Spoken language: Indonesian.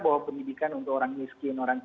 bahwa pendidikan untuk orang miskin orang